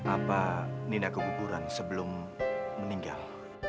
apa nina keguguran sebelum meninggal